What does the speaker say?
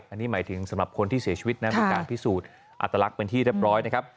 อันนี้หมายถึงสำหรับคนที่เสียชีวิตนะมีการพิสูจน์อัตลักษณ์เป็นที่เรียบร้อยนะครับ